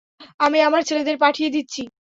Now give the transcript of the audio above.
আমি আমার ছেলেদের পাঠিয়ে দিচ্ছি।